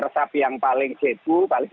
resap yang paling sebu paling